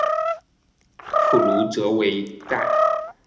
普卢泽韦代。